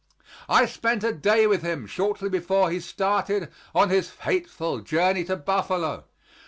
I spent a day with him shortly before he started on his fateful journey to Buffalo.